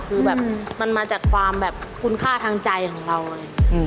คือแบบมันมาจากความแบบคุณค่าทางใจของเราเลย